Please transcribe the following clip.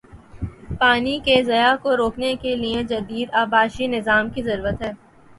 پانی کے ضیاع کو روکنے کے لیے جدید آبپاشی نظام کی ضرورت ہے